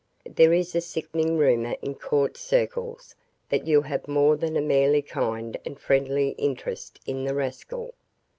There is a sickening rumor in court circles that you have more than a merely kind and friendly interest in the rascal.